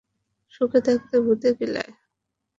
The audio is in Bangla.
সুখে থাকতে ভূতে কিলাই।